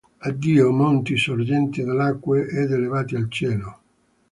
Addio, monti sorgenti dall'acque, ed elevati al cielo